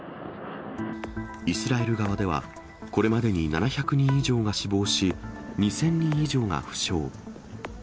イスラエル側では、これまでに７００人以上が死亡し、２０００人以上が負傷。